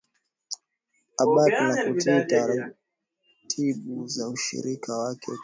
Abati na kutii taratibu za ushirika wake Utaratibu huo wa umonaki ulienea